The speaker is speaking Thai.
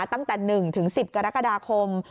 ตั้งแต่๑๑๐กรกฎาคม